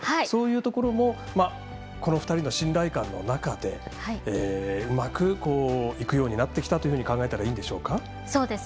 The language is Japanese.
そういうところもこの２人の信頼感の中でうまく、いくようになってきたと考えたらいいんでしょうか。